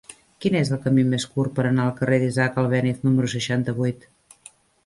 Quin és el camí més curt per anar al carrer d'Isaac Albéniz número seixanta-vuit?